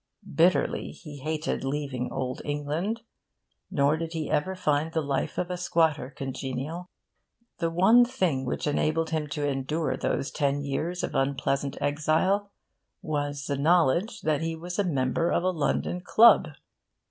Bitterly he hated leaving old England; nor did he ever find the life of a squatter congenial. The one thing which enabled him to endure those ten years of unpleasant exile was the knowledge that he was a member of a London club.